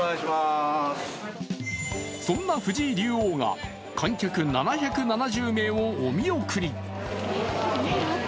そんな藤井竜王が観客７７０名をお見送り。